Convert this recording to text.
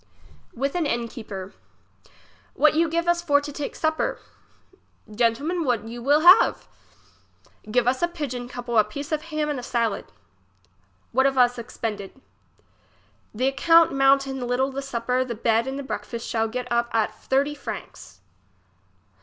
38 English as she is spoke. IVith a inn keeper. What you give us for to take supper. Gentlemen, what you will have. Give us a pigeon couple, a piece of ham and a salad. What have us expended ? The accout mount in little the supper, the bed and the breakfast, shall get up at thirty franks.